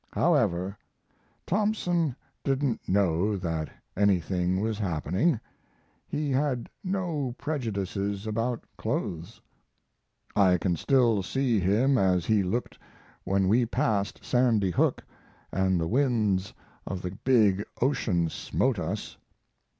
However, Thompson didn't know that anything was happening. He had no prejudices about clothes. I can still see him as he looked when we passed Sandy Hook and the winds of the big ocean smote us.